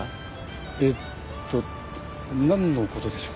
えっとなんの事でしょう？